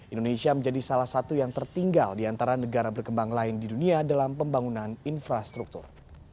indonesia menjadi salah satu yang tertinggal di antara negara berkembang lain di dunia dalam pembangunan infrastruktur